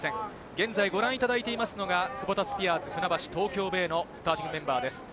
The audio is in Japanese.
現在ご覧いただいていますのが、クボタスピアーズ船橋・東京ベイのスターティングメンバーです。